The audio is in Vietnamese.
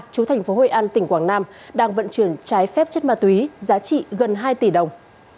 chú thành phố hội an tỉnh quảng nam đang vận chuyển trái phép chất ma túy giá trị gần hai tỷ đồng